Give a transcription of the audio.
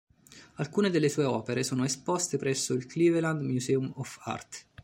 Alcune delle sue opere sono esposte presso il Cleveland Museum of Art.